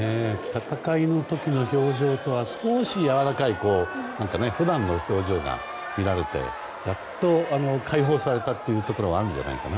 戦いの時の表情とは少しやわらかい普段の表情が見られてやっと開放されたところあるんじゃないかな。